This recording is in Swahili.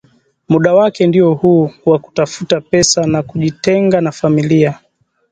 Muda wake ndiyo huo wa kutafuta pesa na kujitenga na familia